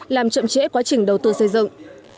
làm chậm trễ quá trình đầu tư xây dựng